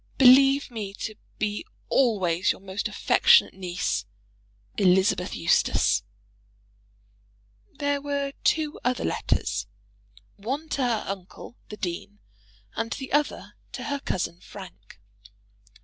] Believe me to be always your most affectionate niece, ELI. EUSTACE. There were two other letters, one to her uncle, the dean, and the other to her cousin Frank.